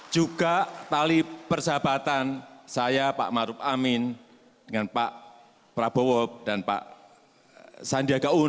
juga tali persahabatan saya pak ma'ruf amin dengan pak prabowo dan pak giyai haji ma'ruf amin